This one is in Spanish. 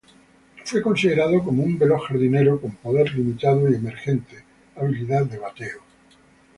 Fue considerado como un veloz jardinero con poder limitado y emergente habilidad de bateo.